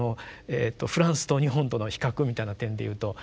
フランスと日本との比較みたいな点で言うと。